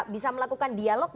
bisa melakukan dialog gak